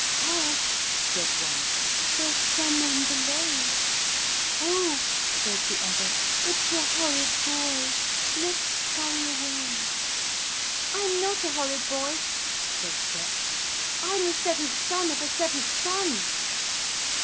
'Hush,' said one, 'there's some one below.' 'Oh,' said the other, 'it's a horrid boy. Let's scurry away.' 'I'm not a horrid boy,' said Sep. 'I'm the seventh son of a seventh son.'